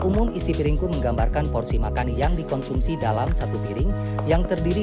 umum isi piringku menggambarkan porsi makan yang dikonsumsi dalam satu piring yang terdiri